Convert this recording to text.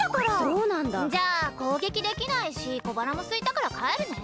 そうなんだ。じゃあこうげきできないしこばらもすいたからかえるね。